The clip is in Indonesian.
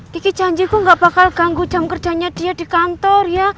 kiki janjiku gak bakal ganggu jam kerjanya dia di kantor ya